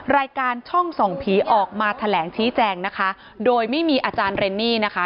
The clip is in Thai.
รายการช่องส่องผีออกมาแถลงชี้แจงนะคะโดยไม่มีอาจารย์เรนนี่นะคะ